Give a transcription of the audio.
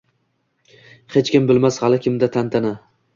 Hech kim bilmas hali kimda tantana